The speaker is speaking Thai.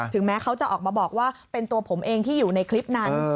แม้เขาจะออกมาบอกว่าเป็นตัวผมเองที่อยู่ในคลิปนั้น